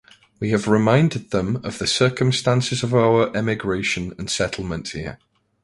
We have reminded them of the circumstances of our emigration and settlement here.